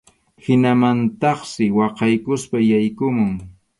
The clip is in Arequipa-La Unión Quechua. Hinamantaqsi waqaykuspa yaykumun.